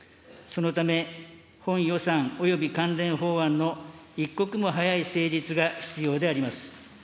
そのため、本予算および関連法案の一刻も早い成立が必要であります。